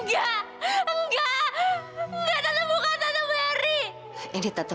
jalan jalan bunuhku